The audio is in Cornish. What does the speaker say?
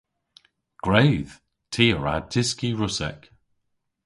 Gwredh! Ty a wra dyski Russek.